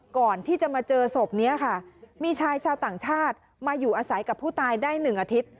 ก่อนที่จะมาเจอศพนี้ค่ะมีชายชาวต่างชาติมาอยู่อาศัยกับผู้ตายได้๑อาทิตย์